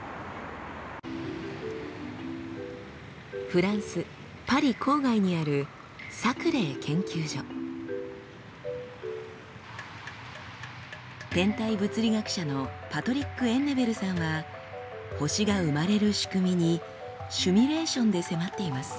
フランスパリ郊外にある天体物理学者のパトリック・エンネベルさんは星が生まれる仕組みにシミュレーションで迫っています。